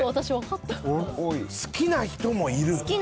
好きな人もいる！？